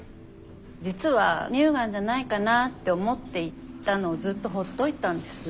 実は乳がんじゃないかな？って思っていたのをずっと放っておいたんです。